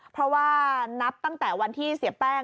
เพราะว่านับตั้งแต่วันที่เสียแป้ง